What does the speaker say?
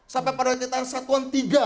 sampai pada sekitar satuan tiga